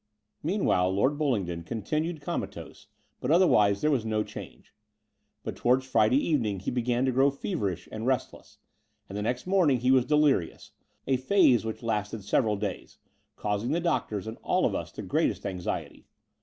Meanwhile Lord Bullingdon continued coma tose, but otherwise there was no change: but towards Friday evening he began to grow feverish and restless, and the next morning he was delirious, a phase which lasted several days, causing the doctors and all of us the greatest anxiety.